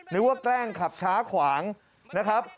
นึกว่าแกล้งขับช้าขวางนะครับ